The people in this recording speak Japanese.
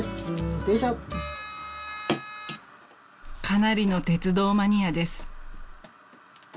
［かなりの鉄道マニアです］